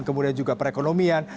kemudian juga perekonomian